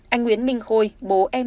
anh nguyễn minh khôi bố emma